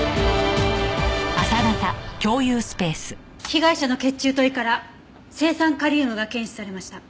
被害者の血中と胃から青酸カリウムが検出されました。